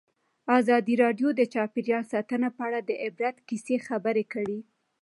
ازادي راډیو د چاپیریال ساتنه په اړه د عبرت کیسې خبر کړي.